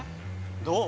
どう？